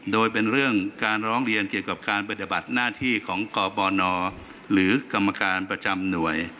โดยเป็นเรื่องการร้องเรียนเกี่ยวกับการปฏิบัติหน้าที่ของกปนหรือกรรมการประจำหน่วย